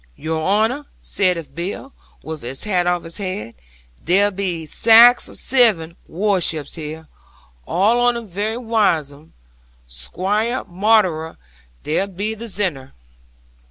'"Your honour," saith Bill, with his hat off his head; "there be sax or zeven warships here: arl on 'em very wise 'uns. Squaire Maunder there be the zinnyer."